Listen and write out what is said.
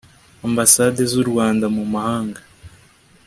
ambasade z u rwanda mu mahanga